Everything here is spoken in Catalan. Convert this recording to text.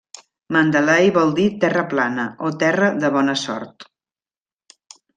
Mandalay vol dir 'Terra Plana' o 'Terra de bona sort'.